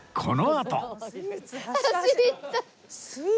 このあと